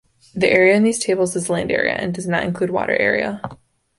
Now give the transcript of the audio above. The Area in these tables is land area, and does not include water area.